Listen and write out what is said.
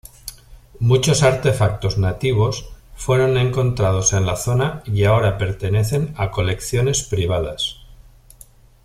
Muchos artefactos nativos fueron encontrados en la zona y ahora pertenecen a colecciones privadas.